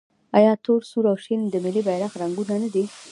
آیا تور، سور او شین د ملي بیرغ رنګونه نه دي؟